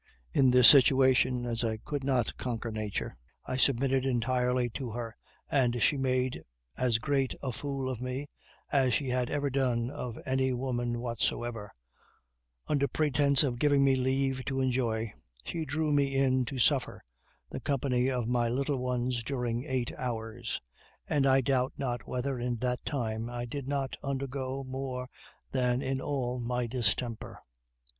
In this situation, as I could not conquer Nature, I submitted entirely to her, and she made as great a fool of me as she had ever done of any woman whatsoever; under pretense of giving me leave to enjoy, she drew me in to suffer, the company of my little ones during eight hours; and I doubt not whether, in that time, I did not undergo more than in all my distemper.